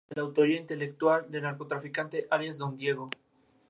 Pidió que le enviaran su historial clínico y además, su cerebro para ser estudiado.